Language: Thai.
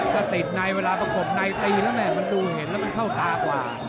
ถ้าติดในเวลาประกบในตีแล้วแม่มันดูเห็นแล้วมันเข้าตากว่า